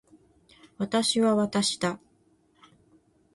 私は私だ。